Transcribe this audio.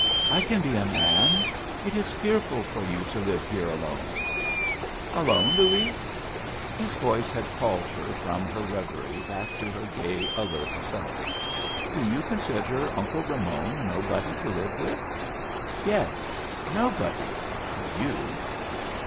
I can be a man. It is fearful for you to live here alone." "Alone, Luis?" His voice had called her from her reverie back to her gay, alert self. "Do you consider Uncle Ramon nobody to live with?" "Yes. Nobody for you."